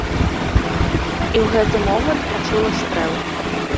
І ў гэты момант пачула стрэл.